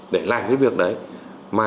để làm cái việc đấy mà